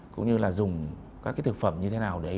cũng như là dùng các cái thực phẩm như thế nào đấy